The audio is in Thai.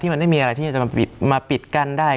มันไม่มีอะไรที่จะมาปิดกั้นได้